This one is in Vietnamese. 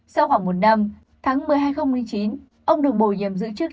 sau khoảng một năm tháng một mươi chín ông được bổ nhiệm giữ chức